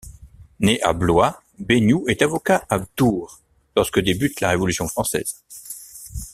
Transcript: Né à Blois, Baignoux est avocat à Tours lorsque débute la Révolution française.